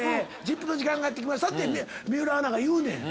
『ＺＩＰ！』の時間がやってきましたって水卜アナが言うねん。